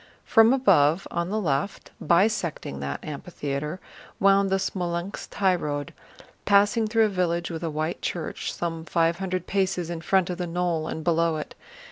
From above on the left, bisecting that amphitheater, wound the Smolénsk highroad, passing through a village with a white church some five hundred paces in front of the knoll and below it.